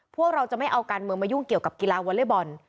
พวกเราจะไม่เอาการเมืองมายุ่งเกี่ยวกับกีฬาวอเล็กบอล